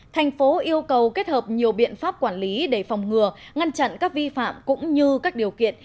thành phố yêu cầu kết hợp nhiều biện pháp quản lý để phòng ngừa ngăn chặn các vi phạm cũng như các điều kiện